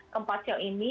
keempat ceo ini